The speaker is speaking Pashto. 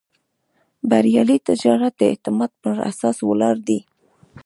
بریالی تجارت د اعتماد پر اساس ولاړ دی.